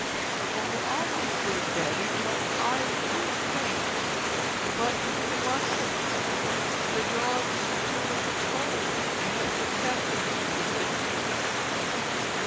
"Oh, I'll be good, Daddy. But I do think—" "But you mustn't! Your job is to do what you're told and let your captain do the thinking."